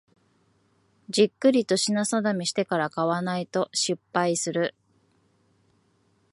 じっくりと品定めしてから買わないと失敗する